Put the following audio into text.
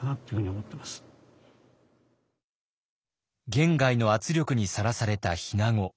言外の圧力にさらされた日名子。